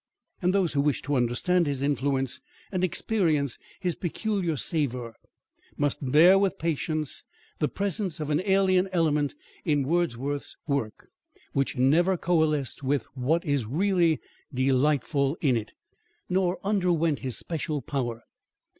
And those who wish to understand his influence, and experience his peculiar savour, must bear with patience the presence of an alien element in Wordsworth's work, which never coalesced with what is really delightful in it, nor underwent his special power.